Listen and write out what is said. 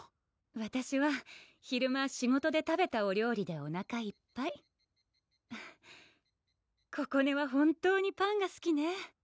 わたしは昼間仕事で食べたお料理でおなかいっぱいここねは本当にパンがすきね